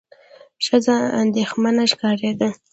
ښځه اندېښمنه ښکارېده.